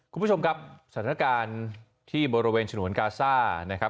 คุณผู้ชมครับสถานการณ์ที่บริเวณฉนวนกาซ่านะครับ